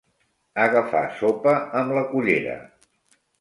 Agafar sopa amb la cullera.